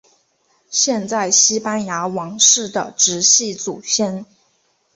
现在西班牙王室的直系祖先。